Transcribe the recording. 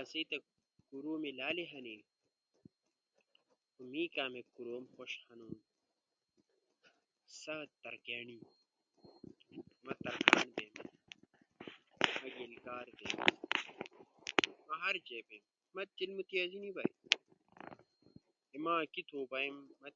آسئی تا کورومے لالے ہنی، خو می کامیک کوروم خوش ہنو سا أنی ہنو، ما ترکان بینو۔